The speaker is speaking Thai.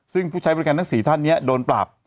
ซึ่งผู้ใช้บริการทั้ง๔ท่านนี้โดนปราบ